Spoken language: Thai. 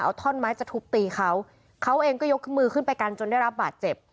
เอาท่อนไม้จะทุบตีเขาเขาเองก็ยกมือขึ้นไปกันจนได้รับบาดเจ็บ